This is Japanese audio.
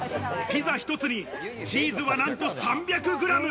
ピザ１つにチーズはなんと３００グラム。